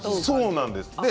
そうなんです。